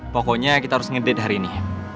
pokoknya kita harus ngedate hari ini